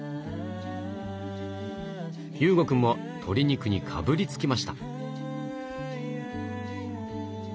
雄悟くんも鶏肉にかぶりつきました。